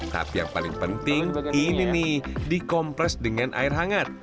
tapi yang paling penting ini nih dikomples dengan air hangat